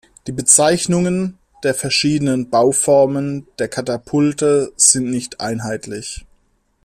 Die Bezeichnungen der verschiedenen Bauformen der Katapulte sind nicht einheitlich.